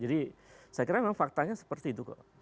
jadi saya kira memang faktanya seperti itu kok